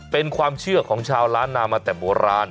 เป็นความเชื่อของชาวล้านนามาแต่โบราณ